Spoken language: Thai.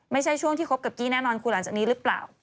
ไม่ใช่ช่วงที่คบกับกี้แน่นอนคุณหลังจากนี้หรือเปล่า